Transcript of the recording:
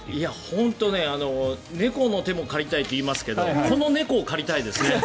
本当に猫の手も借りたいって言いますけどこの猫を借りたいですね。